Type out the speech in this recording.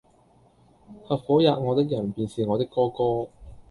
合夥喫我的人，便是我的哥哥！